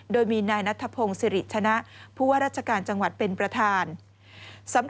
โดยมีนทพศริชนะ